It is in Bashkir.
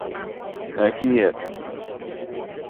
Әкиәт...